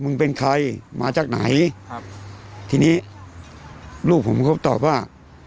เป็นใครมาจากไหนครับทีนี้ลูกผมก็ตอบว่า